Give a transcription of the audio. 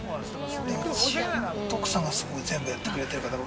奥さんが、すごい全部やってくれてるから。